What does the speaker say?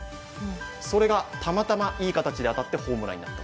それがたまたまいい形で当たってホームランになった。